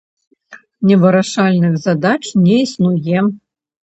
Невырашальных задач не існуе.